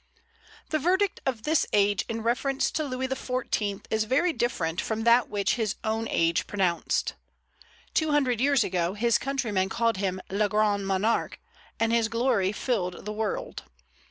The verdict of this age in reference to Louis XIV. is very different from that which his own age pronounced. Two hundred years ago his countrymen called him Le Grand Monarque, and his glory filled the world.